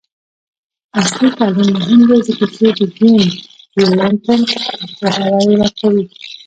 عصري تعلیم مهم دی ځکه چې د ګیم ډیولپمنټ پوهاوی ورکوي.